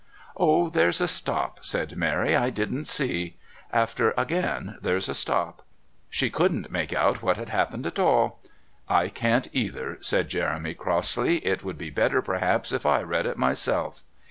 "Oh, there's a stop," said Mary. "I didn't see. After 'again' there's a stop. 'She couldn't make out what had happened at all '" "I can't either," said Jeremy crossly. "It would be better perhaps if I read it myself."